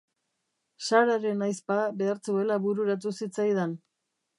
Sararen ahizpa behar zuela bururatu zitzaidan.